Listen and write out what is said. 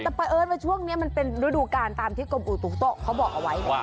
แต่ประเอิญว่าช่วงนี้มันเป็นฤดูการตามที่กรมอุตุ๊เขาบอกเอาไว้นะ